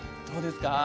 どうですか？